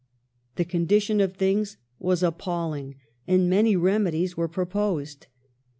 ^ The condition of things was appalling, and many remedies were proposed.